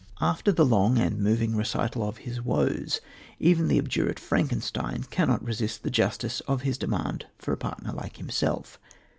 After the long and moving recital of his woes, even the obdurate Frankenstein cannot resist the justice of his demand for a partner like himself.